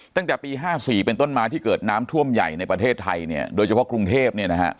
ตั้งแต่ปี๕๔เป็นต้นมาที่เกิดน้ำท่วมใหญ่ในประเทศไทยเนี่ยโดยเฉพาะกรุงเทพ